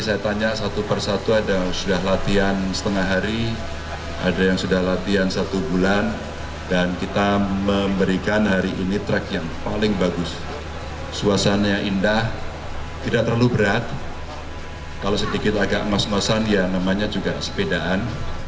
suasanya indah tidak terlalu berat kalau sedikit agak mas masan ya namanya juga sepedaan